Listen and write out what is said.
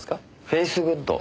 フェイスグッド。